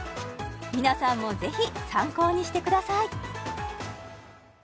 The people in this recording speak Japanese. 皆さんもぜひ参考にしてください